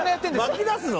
巻きだすの？